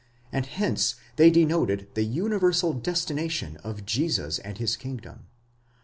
and hence they denoted the universal destination of Jesus and his kingdom.